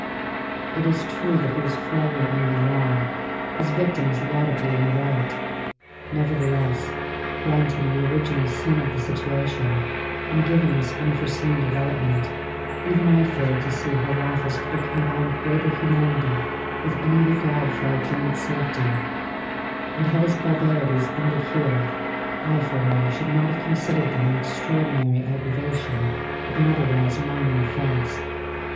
It is true that he was flagrantly in the wrong, his victim as laudably in the right. Nevertheless, granting the original sin of the situation, and given this unforeseen development, even I failed to see how Raffles could have combined greater humanity with any regard for our joint safety; and had his barbarities ended here, I for one should not have considered them an extraordinary aggravation of an otherwise minor offence.